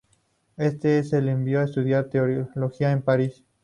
Este lo envió a estudiar Teología a París.